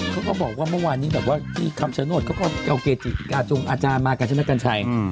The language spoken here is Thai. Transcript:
เขาบอกว่าเมื่อวานนี้คำชโนตอาจารย์ดิกาจงมากันใช่มั้ยกันไช